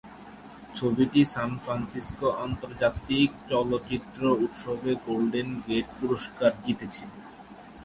ছবিটি San Francisco আন্তর্জাতিক চলচ্চিত্র উৎসবে গোল্ডেন গেট পুরস্কার জিতেছে।